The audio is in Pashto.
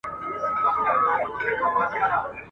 پاس پر ونو ځالګۍ وې د مرغانو !.